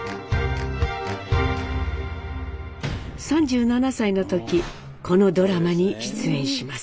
３７歳の時このドラマに出演します。